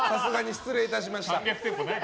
失礼いたしました。